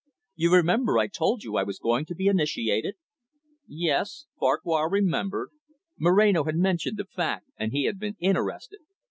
You remember I told you I was going to be initiated?" Yes, Farquhar remembered. Moreno had mentioned the fact, and he had been interested.